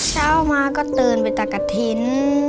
เช้ามาก็ตื่นไปตักกะถิ่น